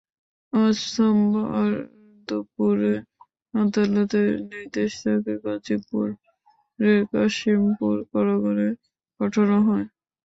আজ সোমবার দুপুরে আদালতের নির্দেশে তাঁকে গাজীপুরের কাশিমপুর কারাগারে পাঠানো হয়।